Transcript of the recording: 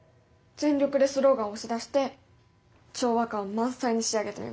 全力でスローガン押し出して調和感満載に仕上げてみました。